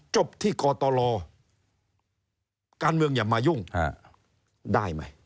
จบที่กตรการเมืองอย่ามายุ่งได้ไหม